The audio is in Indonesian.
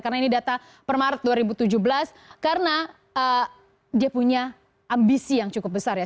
karena ini data per maret dua ribu tujuh belas karena dia punya ambisi yang cukup besar ya